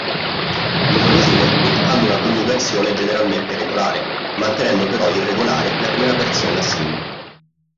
Numerosi verbi hanno una coniugazione generalmente regolare, mantenendo però irregolare la prima persona sing.